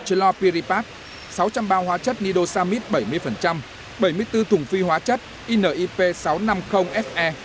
chilopiripac sáu trăm linh bao hóa chất nidosamit bảy mươi bảy mươi bốn thùng phi hóa chất inip sáu trăm năm mươi fe